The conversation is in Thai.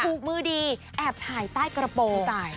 ถูกมือดีแอบถ่ายใต้กระโปรงใส่